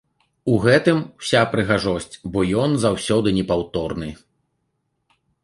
У гэтым уся прыгажосць, бо ён заўсёды непаўторны.